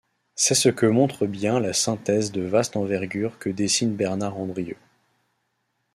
C’est ce que montre bien la synthèse de vaste envergure que dessine Bernard Andrieu.